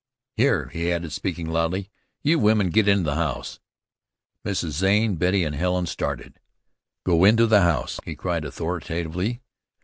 Here," he added, speaking loudly, "you women get into the house." Mrs. Zane, Betty and Helen stared. "Go into the house!" he cried authoritatively.